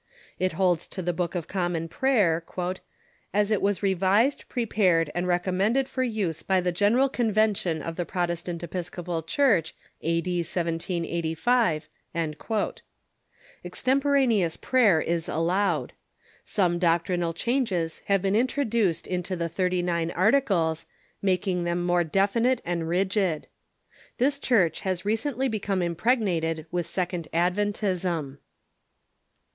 It holds to the Book of Common Prayer "as it was revised, prepared, and recommended for use by the General Convention of the Protestant Episcopal Church, A.D. 1785," Extemporaneous prayer is allowed. Some doctrinal changes have been introduced into the Thirty nine Articles, making them more definite and rigid. This Church has recently become impregnated with Second Adventism.